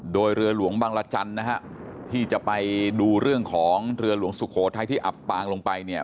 โดยเรือหลวงบังรจันทร์นะฮะที่จะไปดูเรื่องของเรือหลวงสุโขทัยที่อับปางลงไปเนี่ย